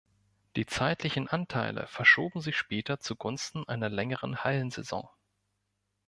Die zeitlichen Anteile verschoben sich später zugunsten einer längeren Hallensaison.